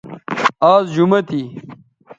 آز جمہ تھی